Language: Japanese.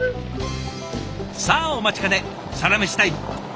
さあお待ちかねサラメシタイム。